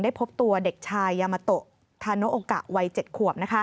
พบตัวเด็กชายยามาโตะธาโนโอกะวัย๗ขวบ